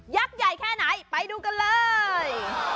ใหญ่แค่ไหนไปดูกันเลย